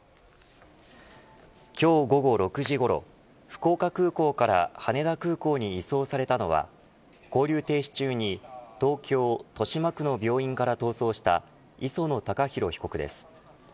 今日午後６時ごろ福岡空港から羽田空港に移送されたのは勾留停止中に東京、豊島区の病院から逃走した磯野貴博被告です。